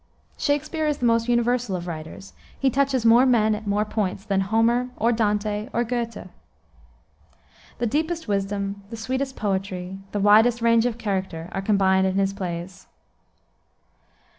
Shakspere is the most universal of writers. He touches more men at more points than Homer, or Dante, or Goethe. The deepest wisdom, the sweetest poetry, the widest range of character, are combined in his plays.